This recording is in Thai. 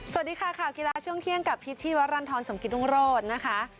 สวัสดีค่ะข่าวกีฬาช่วงเที่ยงกับพิษชีวรรณฑรสมกิตรุงโรธนะคะ